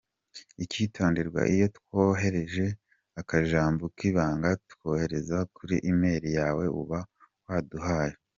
Icyitonderwa: Iyo twohereje akajambo k’ibanga tuyohereza kuri e-mail yawe uba waduhaye.